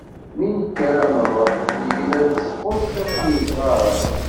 Mi nekker ad d-nruḥ negla-d s tquciḍt n yisɣaren.